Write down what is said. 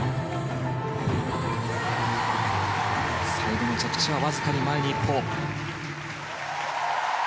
最後の着地はわずかに前に１歩。